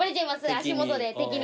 足下で敵に。